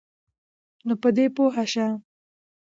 نو په دی پوهه شه